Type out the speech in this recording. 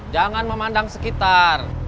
jangan memandang sekitar